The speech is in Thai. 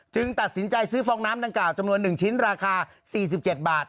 ตัดสินใจซื้อฟองน้ำดังกล่าวจำนวน๑ชิ้นราคา๔๗บาท